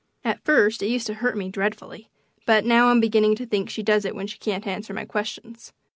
At first it used to hurt me dreadfully, but now I'm beginning to think she does it when she can't answer my questions.